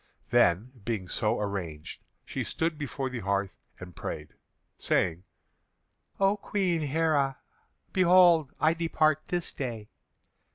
Then, being so arranged, she stood before the hearth and prayed, saying: "O Queen Heré, behold! I depart this day.